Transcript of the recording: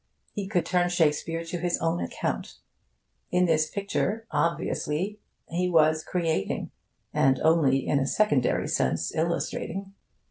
He could turn Shakespeare to his own account. In this picture, obviously, he was creating, and only in a secondary sense illustrating.